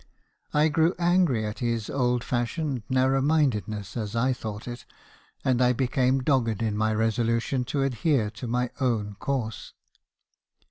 I grew angry at his old fashioned narrow minded ness , as I thought it; and I became dogged in my resolution to adhere to my own course.